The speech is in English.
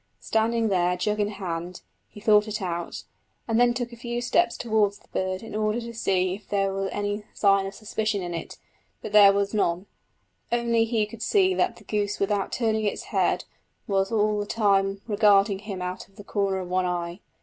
Standing there, jug in hand, he thought it out, and then took a few steps towards the bird in order to see if there was any sign of suspicion in it; but there was none, only he could see that the goose without turning its head was all the time regarding him out of the corner of one eye.